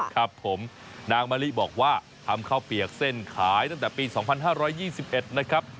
ครับผมนางมะลิบอกว่าทำข้าวเปียกเส้นขายตั้งแต่ปี๒๕๒๑นะครับ